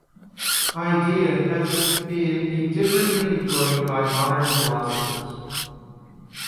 Idea has been indifferently employed by modern philosophers